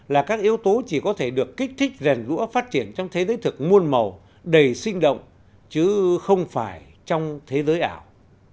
là các yếu tố chỉ có thể được kích thích rèn rũa phát triển trong thế giới thực môn màu đầy sinh động chứ không phải trong thế giới ảo